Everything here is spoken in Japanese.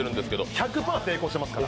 １００％成功していますから。